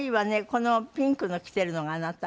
このピンクの着てるのがあなた？